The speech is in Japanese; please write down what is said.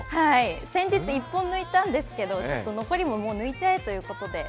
先日、１本抜いたんですけど残りももう抜いちゃえということで。